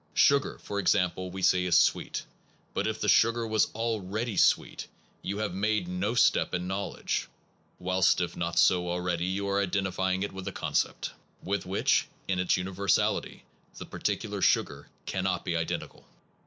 Sugar, for example, we say is sweet. But if the sugar was already sweet, you have made no step in knowledge; whilst if not so already, you are identifying it with a concept, with which, in its universality, the particular sugar cannot be identical.